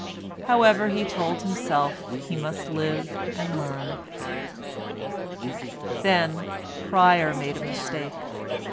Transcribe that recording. However, he told himself he must live and learn. Then Pryer made a mistake.